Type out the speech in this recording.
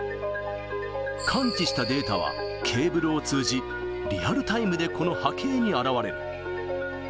感知したデータは、ケーブルを通じ、リアルタイムでこの波形に表れる。